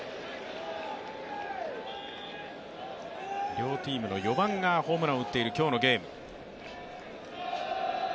両チームの４番がホームランを打っている今日のゲーム。